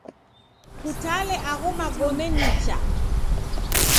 Kutale agho magome nicha.